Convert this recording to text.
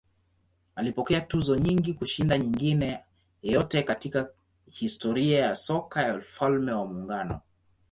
Alipokea tuzo nyingi kushinda mwingine yeyote katika historia ya soka ya Ufalme wa Muungano.